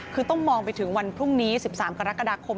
คือต้องมองไปถึงวันพรุ่งนี้๑๓กรกฎาคม